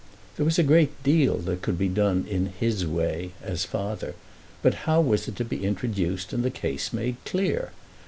There was a great deal that could be done "in his way" as father; but how was it to be introduced and the case made clear?